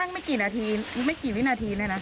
แม้กระทั่งไม่กี่วินาทีเลยนะ